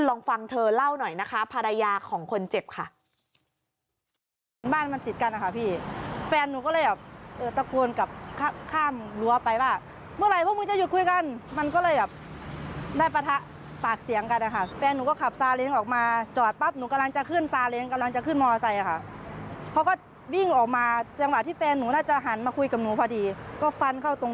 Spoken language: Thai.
ลองฟังเธอเล่าหน่อยนะคะภรรยาของคนเจ็บค่ะ